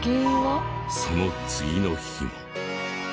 その次の日も。